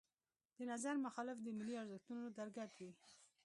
د نظر مخالف د ملي ارزښتونو درګډ وي.